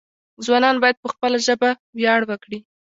ځوانان باید په خپله ژبه ویاړ وکړي.